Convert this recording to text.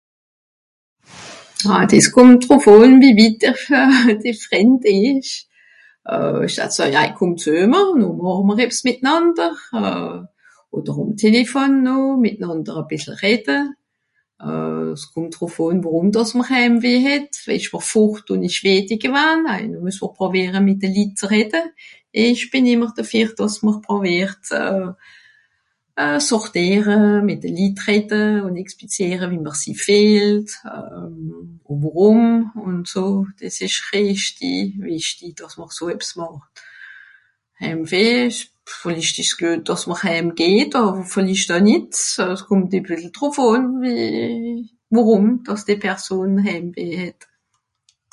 Ah dìs kùmmt drùf àn, wie witt dr...euh... de Frìnd ìsch. Euh... (...) er kùmmt ze mr, noh màche mr ebbs mìtnànder euh... odder àm Telefon noh mìtnànder e bìssel redde. Euh... s'kùmmt drùf àn worùm, dàss mr heim weh het, ìsch mr fùrt ùn ìsch weddi gewann, mr mues prowìere mìt de Litt ze redde. Ìch bìn ìmmer defìr, dàss mr prowìert... euh... sortìere, mìt de Litt redde ùn explizìere wie mr si fìehlt, euh... worùm ùn so... dìs ìsch rìchti wìchti, dàss mr so ebbs màcht. Empfehl ìch... pfff... ìsch dìs guet, dàss mr hääm geht àwer vìllicht oe nìt euh... s'kùmmt e bìssel druf àn wie... worùm, dàss dìe Person häämweh het.